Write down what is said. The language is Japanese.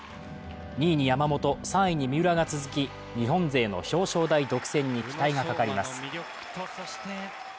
２位に山本、３位に三浦が続き日本勢の表彰台独占に期待がかかります。